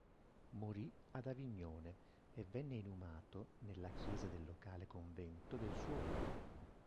Morì ad Avignone e venne inumato nella chiesa del locale convento del suo ordine.